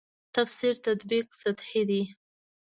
تفسیر تطبیق سطحې دي.